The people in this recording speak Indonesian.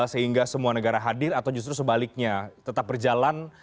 sehingga semua negara hadir atau justru sebaliknya tetap berjalan